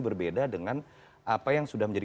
berbeda dengan apa yang sudah menjadi